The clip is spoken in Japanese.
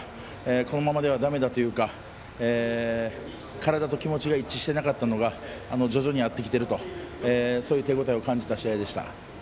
このままでは、だめだというか体と気持ちが一致してなかったのが徐々に合ってきてるとそういう手応えを感じた試合でした。